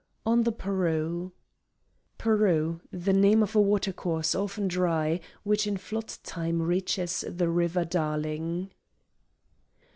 On the Paroo * The name of a watercourse, often dry, which in flood time reaches the river Darling.